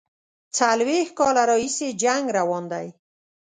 څلوېښت کاله راهیسي جنګ روان دی.